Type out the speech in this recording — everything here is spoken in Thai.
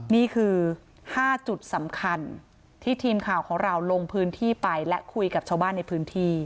นี่คือ๕จุดสำคัญที่ทีมข่าวของเราลงพื้นที่ไปและคุยกับชาวบ้านในพื้นที่